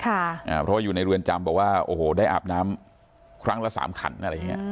เพราะว่าอยู่ในเรือนจำบอกว่าโอ้โหได้อาบน้ำครั้งละสามขันอะไรอย่างเงี้